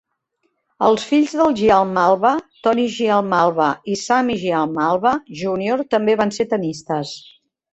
Els fills dels Giammalva, Tony Giammalva i Sammy Giammalva Junior, també van ser tennistes.